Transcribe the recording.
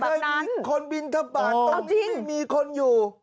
ตรงนี้ไม่เคยมีคนบิณฑบาตรตรงนี้ไม่มีคนอยู่